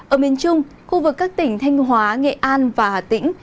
ở miền trung khu vực các tỉnh thanh hóa nghệ an và hà tĩnh